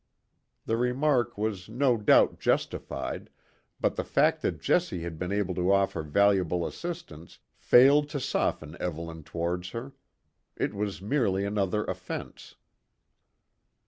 The remark was no doubt justified, but the fact that Jessie had been able to offer valuable assistance failed to soften Evelyn towards her. It was merely another offence.